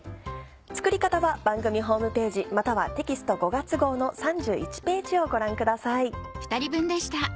作り方は番組ホームページまたはテキスト５月号の３１ページをご覧ください。